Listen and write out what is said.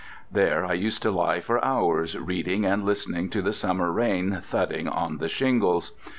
There I used to lie for hours reading, and listening to the summer rain thudding on the shingles.